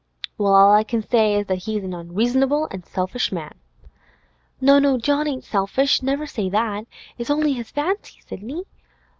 'Well, all I can say is, he's an unreasonable and selfish man!' 'No, no; John ain't selfish! Never say that! It's only his fancies, Sidney.